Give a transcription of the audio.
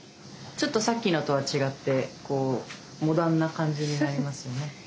ちょっとさっきのとは違ってこうモダンな感じになりますよね。